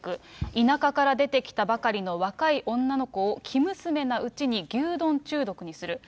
田舎から出てきたばかりの若い女の子を、生娘なうちに牛丼中毒にする。